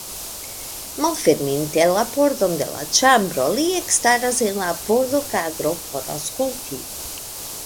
Malferminte la pordon de la ĉambro, li ekstaras en la pordokadro por aŭskulti.